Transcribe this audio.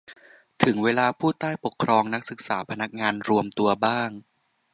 ถึงเวลาผู้ใต้ปกครอง นักศึกษา พนักงาน รวมตัวบ้าง